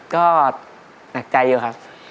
ก็หนักใจอยู่ครับ